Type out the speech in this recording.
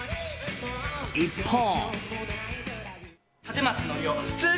一方。